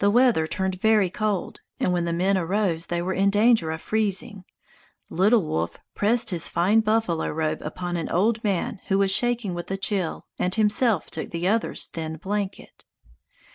The weather turned very cold, and when the men arose they were in danger of freezing. Little Wolf pressed his fine buffalo robe upon an old man who was shaking with a chill and himself took the other's thin blanket.